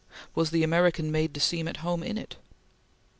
Was the American made to seem at home in it?